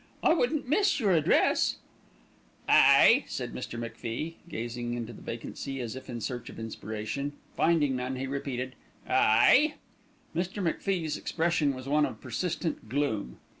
"I wouldn't miss your address." "Aye!" said Mr. MacFie, gazing into vacancy as if in search of inspiration. Finding none, he repeated "Aye!" Mr. MacFie's expression was one of persistent gloom.